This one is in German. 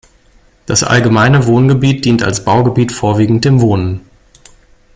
Das Allgemeine Wohngebiet dient als Baugebiet vorwiegend dem Wohnen.